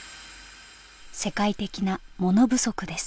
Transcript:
世界的なモノ不足です。